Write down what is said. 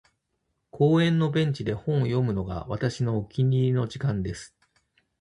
•公園のベンチで本を読むのが、私のお気に入りの時間です。